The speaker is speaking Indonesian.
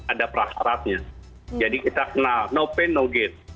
ada perasaratnya jadi kita kenal no pain no gain